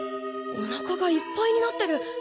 おなかがいっぱいになってる！